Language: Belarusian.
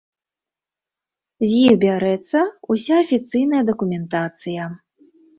З іх бярэцца ўся афіцыйная дакументацыя.